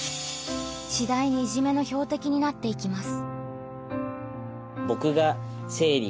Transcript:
次第にいじめの標的になっていきます。